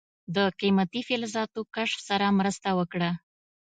د قیمتي فلزاتو کشف سره مرسته وکړه.